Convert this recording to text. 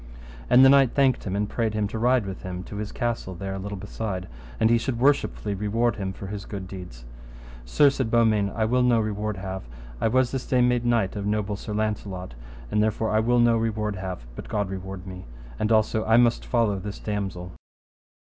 And the knight thanked him, and prayed him to ride with him to his castle there a little beside, and he should worshipfully reward him for his good deeds. Sir, said Beaumains, I will no reward have: I was this day made knight of noble Sir Launcelot, and therefore I will no reward have, but God reward me. And also I must follow this damosel.